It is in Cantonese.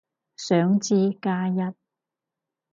想知，加一